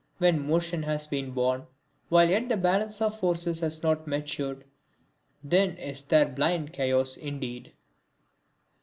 When motion has been born, while yet the balance of forces has not matured, then is there blind chaos indeed.